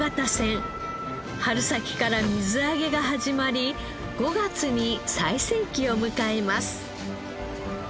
春先から水揚げが始まり５月に最盛期を迎えます。